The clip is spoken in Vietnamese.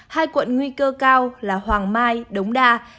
hai quận nguy cơ cao là hoàng mai đống đa